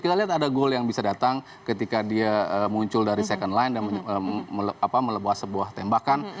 kita lihat ada gol yang bisa datang ketika dia muncul dari second line dan melebah sebuah tembakan